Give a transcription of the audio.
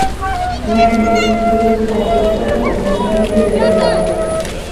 Merlyn y los otros fueron completamente derrotados.